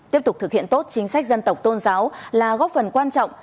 tiếp tục thực hiện tốt chính sách dân tộc tôn giáo là góp phần quan trọng